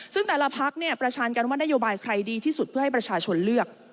ซึ่งแต่ละพักประชาญกันว่านโยบายใครดีที่สุดเพื่อให้ประชาชนเลือก